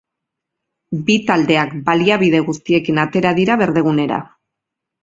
Bi taldeak baliabide guztiekin atera dira berdegunera.